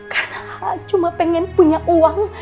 karena ayah cuma pengen punya uang